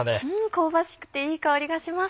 香ばしくていい香りがします。